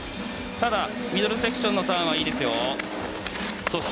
ただ、ミドルセクションのターンはいいですよ。